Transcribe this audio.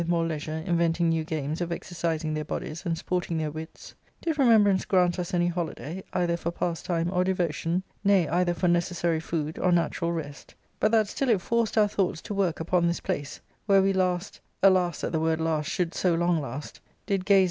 more leisure inventing new games of exercising Iv.r br.clies, and sporting their wits, — did remembrance j,f " i ^ih any holiday, either for pastime or devotion, nay, i\\ '"• Kh' necessary food or natural rest, but that still it br: ' J CI.V thoughts to work upon this place, where we last —alas, that the word *last' should so long Ust — did grace